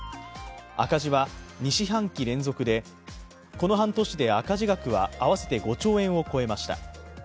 赤字は２四半期連続で、この半年で赤字額は合わせて５兆円を超えました。